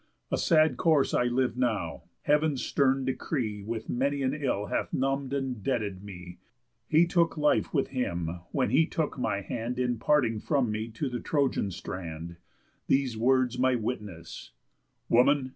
A sad course I live now; Heav'n's stern decree With many an ill hath numb'd and deaded me. He took life with him, when he took my hand In parting from me to the Trojan strand, These words my witness: 'Woman!